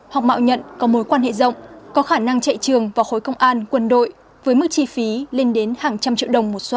học mạo nhận có mối quan hệ rộng có khả năng chạy trường vào khối công an quân đội với mức chi phí lên đến hàng trăm triệu đồng một suất